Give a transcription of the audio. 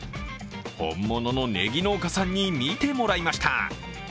本物のねぎ農家さんに見てもらいました。